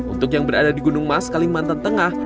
untuk yang berada di gunung mas kalimantan tengah